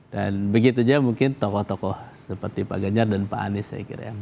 dan begitu saja mungkin tokoh tokoh seperti pak ganjar dan pak anies saya kira ya